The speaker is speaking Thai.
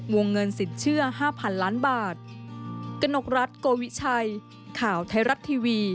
วงเงินสินเชื่อ๕๐๐๐ล้านบาท